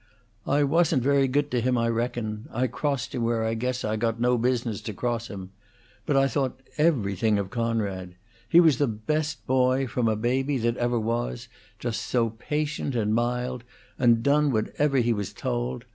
"I wasn't very good to him, I reckon; I crossed him where I guess I got no business to cross him; but I thought everything of Coonrod. He was the best boy, from a baby, that ever was; just so patient and mild, and done whatever he was told.